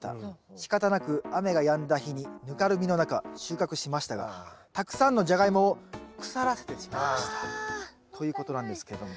しかたなく雨がやんだ日にぬかるみの中収穫しましたがたくさんのジャガイモを腐らせてしまいました」。ということなんですけども。